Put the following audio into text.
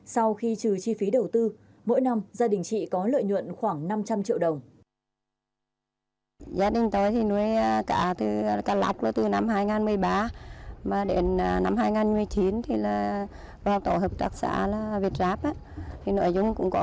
sau khi trừ chi phí đầu tư mỗi năm gia đình chị có lợi nhuận khoảng năm trăm linh triệu đồng